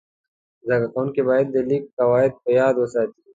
زده کوونکي باید د لیک قواعد په یاد وساتي.